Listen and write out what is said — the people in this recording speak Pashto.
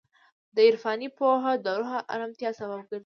د عرفان پوهه د روح ارامتیا سبب ګرځي.